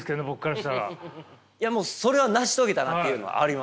もうそれは成し遂げたなというのはあります。